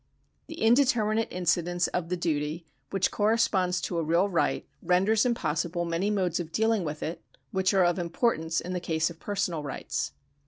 The indeterminate incidence of the duty which corresponds to a real right, renders impossible many modes of dealing with it which are of importance in the case of personal rights.